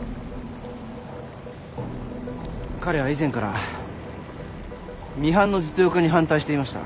彼は以前からミハンの実用化に反対していました。